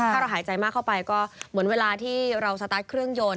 ถ้าเราหายใจมากเข้าไปก็เหมือนเวลาที่เราสตาร์ทเครื่องยนต์